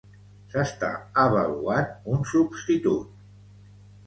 S'està avaluant un substitut.